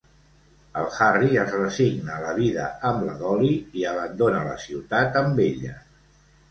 El Harry es resigna a la vida amb la Dolly i abandona la ciutat amb ella.